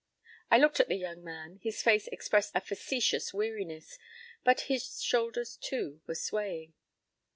p> I looked at the young man. His face expressed a facetious weariness, but his shoulders, too, were swaying.